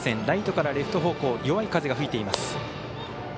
ライトからレフト方向弱い風が吹いています。